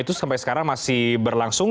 itu sampai sekarang masih berlangsung